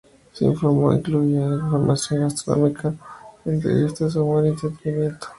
Su formato incluía información gastronómica, entrevistas, humor y entretenimiento.